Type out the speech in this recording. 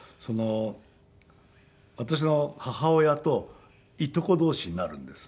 私の母親といとこ同士になるんです。